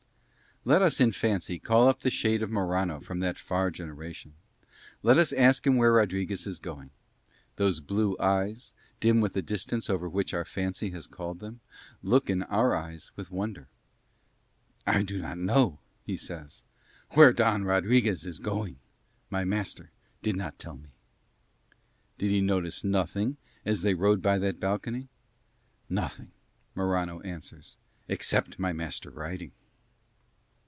Let us in fancy call up the shade of Morano from that far generation. Let us ask him where Rodriguez is going. Those blue eyes, dim with the distance over which our fancy has called them, look in our eyes with wonder. "I do not know," he says, "where Don Rodriguez is going. My master did not tell me." Did he notice nothing as they rode by that balcony? "Nothing," Morano answers, "except my master riding."